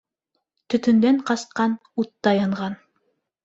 Төтөндән ҡасҡан утта янған.